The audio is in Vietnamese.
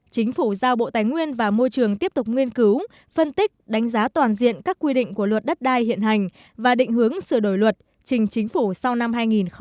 chính phủ giao bộ tài nguyên và môi trường tiếp tục nguyên cứu phân tích đánh giá toàn diện các quy định của luật đất đai hiện hành và định hướng sửa đổi luật trình chính phủ sau năm hai nghìn hai mươi